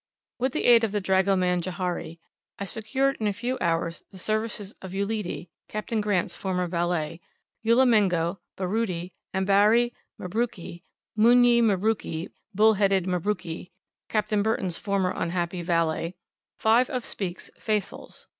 With the aid of the dragoman Johari, I secured in a few hours the services of Uledi (Capt. Grant's former valet), Ulimengo, Baruti, Ambari, Mabruki (Muinyi Mabruki Bull headed Mabruki, Capt. Burton's former unhappy valet) five of Speke's "Faithfuls."